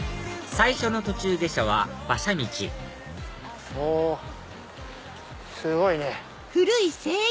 最初の途中下車は馬車道ほすごいね。